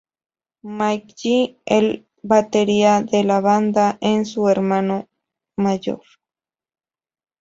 Mike G, el batería de la banda, es su hermano mayor.